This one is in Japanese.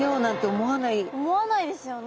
思わないですよね。